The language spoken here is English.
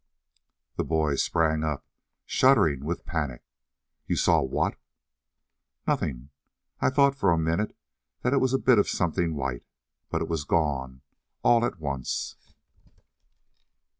The boy sprang up, shuddering with panic. "You saw what?" "Nothing. I thought for a minute that it was a bit of something white, but it was gone all at once."